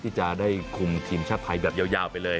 ที่จะได้คุมทีมชาติไทยแบบยาวไปเลย